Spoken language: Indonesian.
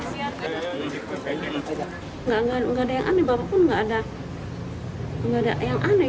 nggak ada yang aneh bapak pun nggak ada yang aneh